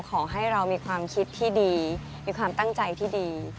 ขอให้เรามีความคิดที่ดีมีความตั้งใจที่ดี